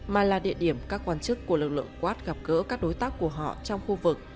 mà là địa điểm các quan chức của lực lượng quát gặp gỡ các đối tác của họ trong khu vực